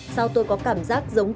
sao tôi có cảm giác giống cây xăng này